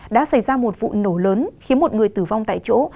đã xảy ra một vụ nổ lớn khiến một người tử vong tại chỗ